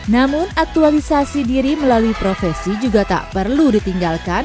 namun aktualisasi diri melalui profesi juga tak perlu ditinggalkan